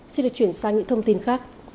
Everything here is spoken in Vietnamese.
xin được chuyển sang những thông tin khác